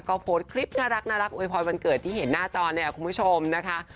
ก็โพสต์คลิปน่ารักโวยพรวันเกิดที่เห็นหน้าจอเนี่ยคุณผู้ชมนะคะ